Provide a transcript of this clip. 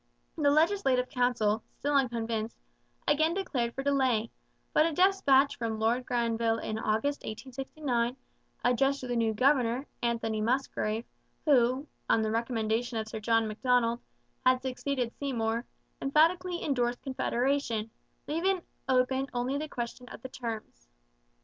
The Legislative Council, still unconvinced, again declared for delay; but a dispatch from Lord Granville in August 1869, addressed to the new governor, Anthony Musgrave, who, on the recommendation of Sir John Macdonald, had succeeded Seymour, emphatically endorsed Confederation, leaving open only the question of the terms.